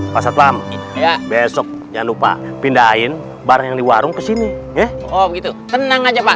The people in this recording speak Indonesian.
pasatlam besok jangan lupa pindahin barang di warung kesini ya oh gitu tenang aja pak